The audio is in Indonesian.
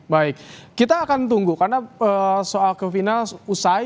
baik kita akan tunggu karena soal ke final usai